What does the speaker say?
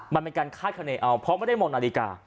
มันเป็นการคาดคณีเอาเพราะไม่ได้มองนาฬิกา